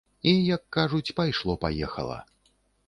І, як кажуць, пайшло-паехала.